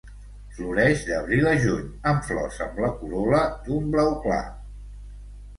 Floreix d'abril a juny amb flors amb la corol·la d'un blau clar.